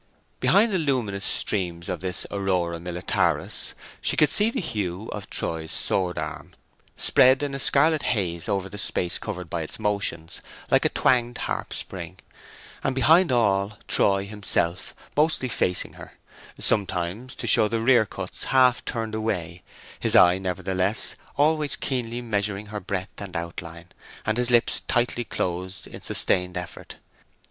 Behind the luminous streams of this aurora militaris, she could see the hue of Troy's sword arm, spread in a scarlet haze over the space covered by its motions, like a twanged harpstring, and behind all Troy himself, mostly facing her; sometimes, to show the rear cuts, half turned away, his eye nevertheless always keenly measuring her breadth and outline, and his lips tightly closed in sustained effort.